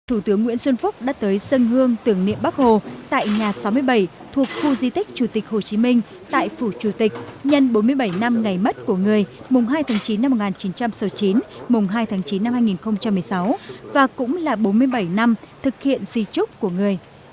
thủ tướng nguyễn xuân phúc đã tới sân hương tưởng niệm bắc hồ tại nhà sáu mươi bảy thuộc khu di tích chủ tịch hồ chí minh tại phủ chủ tịch nhân bốn mươi bảy năm ngày mất của người mùng hai tháng chín năm một nghìn chín trăm sáu mươi chín mùng hai tháng chín năm hai nghìn một mươi sáu và cũng là bốn mươi bảy năm thực hiện di trúc của người